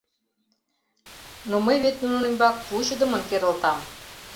Но мый вет нунын ӱмбак вучыдымын керылтам.